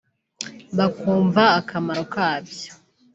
bakumva akamaro kabyo